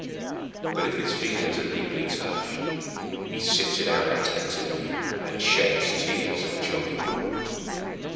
But if his feelings are deeply touched, he sits it out attentively, and sheds tears of joy.